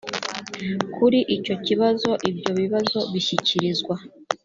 kuri icyo kibazo ibyo bibazo bishyikirizwa